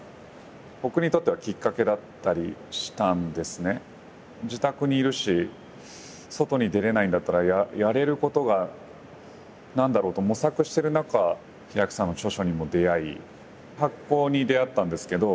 何か僕が自宅にいるし外に出れないんだったらやれることが何だろうと模索してる中ヒラクさんの著書にも出会い発酵に出会ったんですけど。